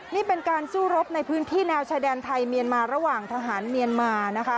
นี่เป็นการสู้รบในพื้นที่แนวชายแดนไทยเมียนมาระหว่างทหารเมียนมานะคะ